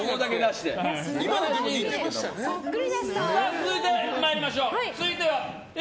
続いて参りましょう。